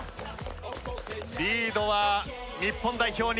リードは日本代表２点。